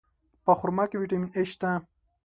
په خرما کې ویټامین A شته.